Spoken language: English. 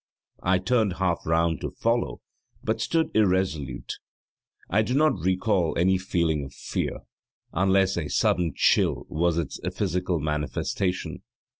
I turned half round to follow, but stood irresolute. I do not recall any feeling of fear, unless a sudden chill was its physical manifestation.